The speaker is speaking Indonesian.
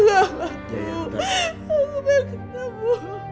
aku pengen ketemu